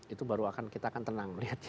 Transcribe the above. itu baru kita akan tenang